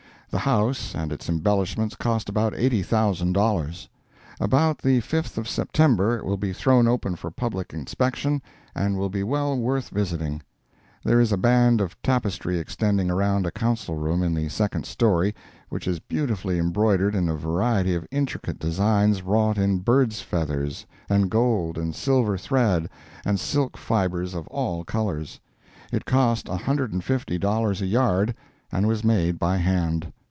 The house and its embellishments cost about eighty thousand dollars. About the 5th of September it will be thrown open for public inspection, and will be well worth visiting. There is a band of tapestry extending around a council room in the second story, which is beautifully embroidered in a variety of intricate designs wrought in bird's feathers, and gold and silver thread and silk fibres of all colors. It cost a hundred and fifty dollars a yard, and was made by hand.